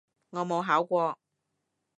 我冇考過